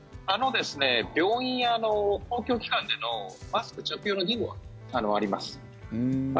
病院や公共機関でのマスク着用の義務はあります。